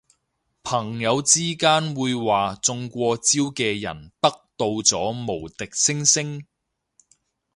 朋友之間會話中過招嘅人得到咗無敵星星